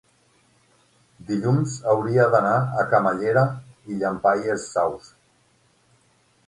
dilluns hauria d'anar a Camallera i Llampaies Saus.